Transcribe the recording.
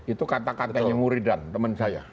itu kata katanya muridan teman saya